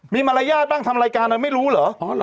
มีมารัยญาตร์บ้างทำรายการเนี่ยไม่รู้เหรอ